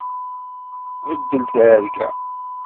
Beddel targa!